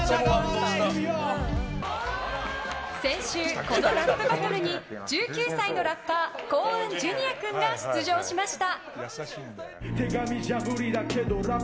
先週、このラップバトルに１９歳のラッパー幸雲Ｊｒ．君が出場しました。